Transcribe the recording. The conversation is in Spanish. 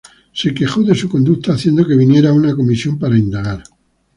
Se quejó de su conducta, haciendo que viniera una comisión para indagar.